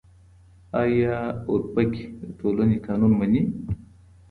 آيا اورپکي د ټولنې قانون مني؟